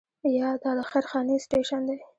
یا دا د خير خانې سټیشن دی.